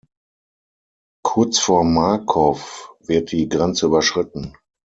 Kurz vor Makov wird die Grenze überschritten.